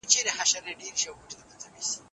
د لیکوالو تېروتنې باید په رڼا کې راوستل سی.